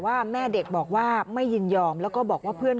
ห้าหมื่นบาทเพื่อจบเรื่อง